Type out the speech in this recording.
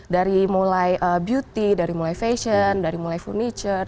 dari mulai beauty dari mulai fashion dari mulai furniture